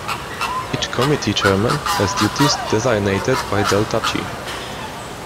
Each committee chairman has duties designated by Delta Chi.